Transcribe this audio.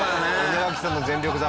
稲垣さんの全力坂。